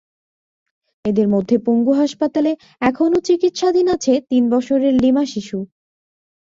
এদের মধ্যে পঙ্গু হাসপাতালে এখনো চিকিৎসাধীন আছে তিন বছরের লিমা শিশু।